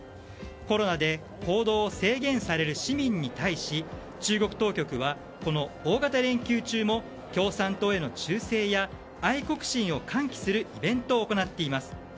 コロナで行動を制限される市民に対し中国当局は、この大型連休中も共産党への忠誠や愛国心を喚起するイベントを行っています。